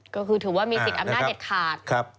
ก็คือถือว่ามีสิทธิ์อำนาจเด็ดขาด